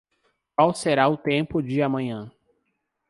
Qual será o tempo de amanhã?